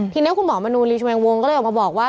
ทีนี้คุณหมอมนูรีชวงวงก็เลยออกมาบอกว่า